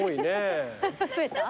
増えた？